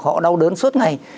họ đau đớn suốt ngày